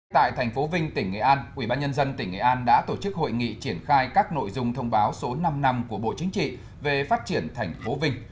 tại thành phố vinh tỉnh nghệ an ubnd tỉnh nghệ an đã tổ chức hội nghị triển khai các nội dung thông báo số năm năm của bộ chính trị về phát triển thành phố vinh